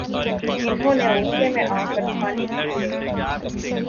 انھوں نے غصے میں آ کر کھانے کی پلیٹ